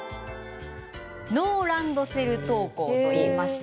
ノーランドセル登校と言いまして